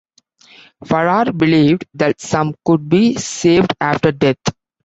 Farrar believed that some could be saved after death.